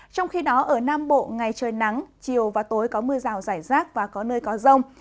trong khi đó ở nam bộ ngày trời nắng chiều và tối có mưa rào rải rác và có nơi có rông